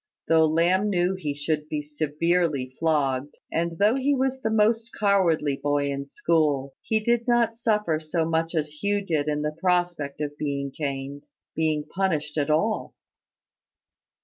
Though Lamb knew he should be severely flogged, and though he was the most cowardly boy in the school, he did not suffer so much as Hugh did in the prospect of being caned being punished at all.